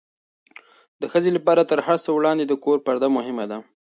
د ښځې لپاره تر هر څه وړاندې د کور پرده مهمه ده.